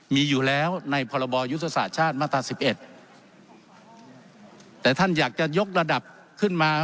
มีอยู่แล้วในพรบยุทธศาสตร์ชาติมาตราสิบเอ็ดแต่ท่านอยากจะยกระดับขึ้นมา